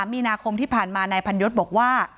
มีนาคมที่ผ่านมานายพันยศบอกว่า